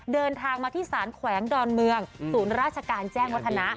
เดินทางมาที่สารแขวงดอนเมืองศูนย์ราชการแจ้งวัฒนะ